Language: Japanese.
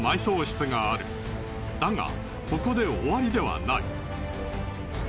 だがここで終わりではない。